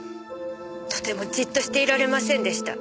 とてもじっとしていられませんでした。